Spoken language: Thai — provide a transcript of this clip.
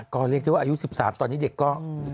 ก็เรียกได้ว่าอายุ๑๓ตอนนี้เด็กก็